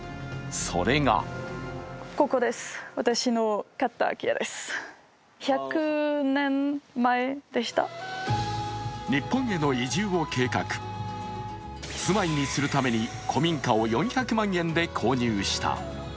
それが日本への移住を計画住まいにするために古民家を４００万円で購入した。